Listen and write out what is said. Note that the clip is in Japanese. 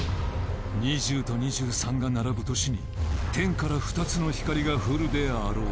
２０と２３が並ぶ年に天から二つの光が降るであろう